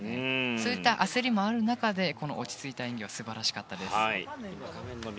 そういった焦りもある中でこの落ち着いた演技素晴らしかったです。